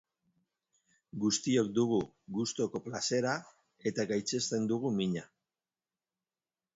Guztiok dugu gustuko plazera eta gaitzesten dugu mina.